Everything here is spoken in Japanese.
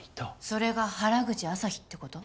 それが原口朝陽ってこと？